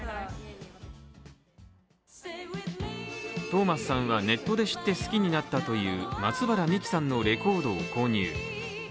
トーマスさんはネットで知って好きになったという松原みきさんのレコードを購入。